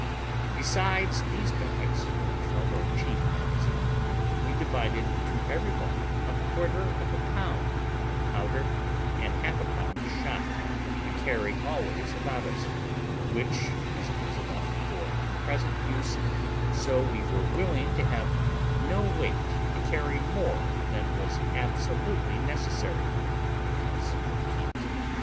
Besides these bags, which held our chief magazine, we divided to every one a quarter of a pound of powder, and half a pound of shot, to carry always about us; which, as it was enough for our present use, so we were willing to have no weight to carry more than was absolutely necessary, because of the heat.